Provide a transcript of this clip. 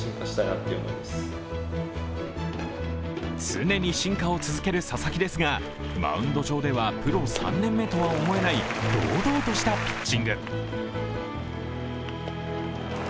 常に進化を続ける佐々木ですが、マウンド上ではプロ３年目とは思えない堂々としたピッチング。